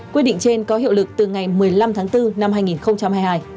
quyết định trên có hiệu lực từ ngày một mươi năm tháng bốn năm hai nghìn hai mươi hai